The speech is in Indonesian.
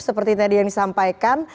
seperti tadi yang disampaikan